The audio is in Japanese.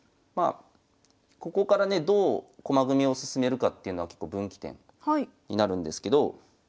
ここからねどう駒組みを進めるかっていうのは結構分岐点になるんですけど。